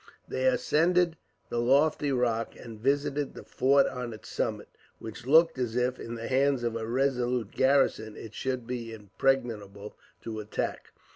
They ascended the lofty rock, and visited the fort on its summit, which looked as if, in the hands of a resolute garrison, it should be impregnable to attack.